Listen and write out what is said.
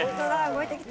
動いてきた。